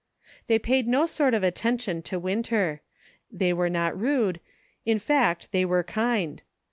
They paid no sort of attention to Winter; they were not rude; in fact, they were kind.